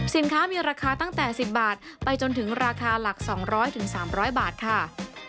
สินค้ามีราคาตั้งแต่๑๐บาทไปจนถึงราคาหลัก๒๐๐๓๐๐บาทค่ะ